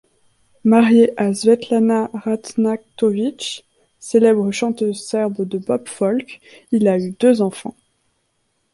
Marié à Svetlana Ražnatović, célèbre chanteuse serbe de pop-folk, il a eu deux enfants.